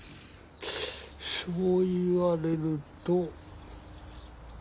そう言われると変か。